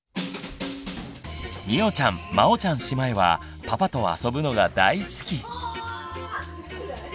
みおちゃんまおちゃん姉妹はパパと遊ぶのが大好き！